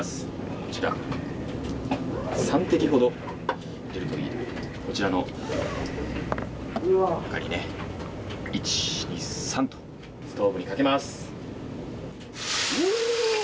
こちら、３滴ほど入れていきこちらの中にね１、２、３とストーブにかけます。